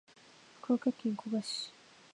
福岡県古賀市